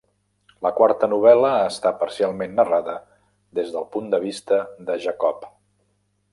La quarta novel·la està parcialment narrada des del punt de vista de Jacob.